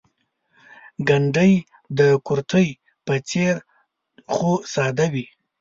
ګنډۍ د کورتۍ په څېر خو ساده وي.